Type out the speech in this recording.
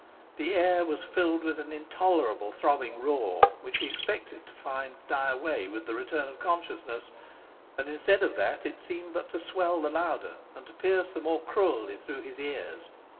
The air was filled with an intolerable, throbbing roar, which he expected to find die away with the return of consciousness; and instead of that it seemed but to swell the louder and to pierce the more cruelly through his ears.